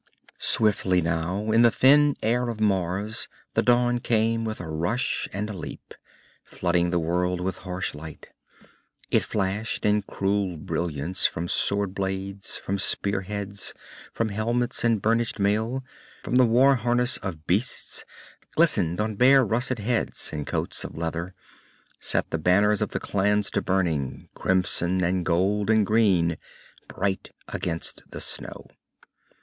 Swiftly now, in the thin air of Mars, the dawn came with a rush and a leap, flooding the world with harsh light. It flashed in cruel brilliance from sword blades, from spearheads, from helmets and burnished mail, from the war harness of beasts, glistened on bare russet heads and coats of leather, set the banners of the clans to burning, crimson and gold and green, bright against the snow.